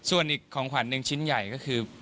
ส่วนอีกของขวัญหนึ่งชิ้นใหญ่ก็คือ